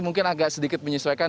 mungkin agak sedikit menyesuaikan